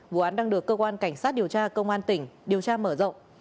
vụ án đang được cơ quan cảnh sát điều tra công an tỉnh điều tra mở rộng